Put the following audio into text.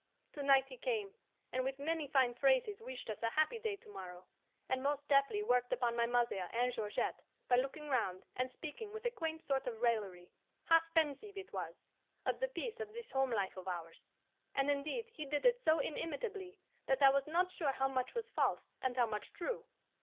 To night he came, and with many fine phrases wished us a happy day to morrow, and most deftly worked upon my mother and Georgette by looking round and speaking with a quaint sort of raillery half pensive, it was of the peace of this home life of ours; and indeed, he did it so inimitably that I was not sure how much was false and how much true.